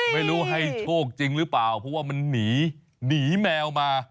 ไม่รู้ให้โชคจริงหรือเปล่าเพราะว่ามันหนีหนีแมวมา